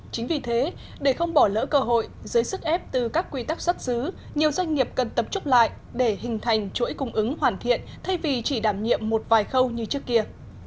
chính vì thế để không bỏ lỡ cơ hội dưới sức ép từ các quy tắc xuất xứ nhiều doanh nghiệp cần tập trúc lại để hình thành chuỗi cung ứng hoàn thiện thay vì chỉ đảm nhiệm một vài khâu như trước kia